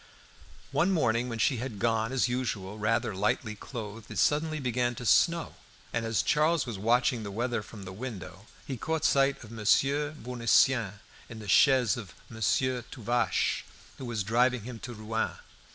One morning, when she had gone, as usual, rather lightly clothed, it suddenly began to snow, and as Charles was watching the weather from the window, he caught sight of Monsieur Bournisien in the chaise of Monsieur Tuvache, who was driving him to Rouen.